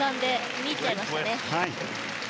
見入っちゃいましたね。